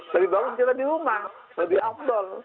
lebih baik jualan di rumah lebih abdel